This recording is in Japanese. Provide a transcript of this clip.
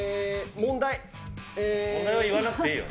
問題は言わなくていいよ。